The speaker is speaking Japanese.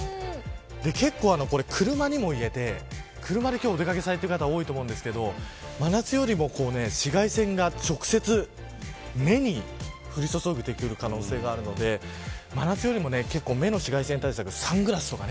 結構、車にもいえて車で今日お出掛けされている方多いと思うんですが真夏よりも紫外線が直接目に降り注いでくる可能性があるので真夏よりも結構目の紫外線対策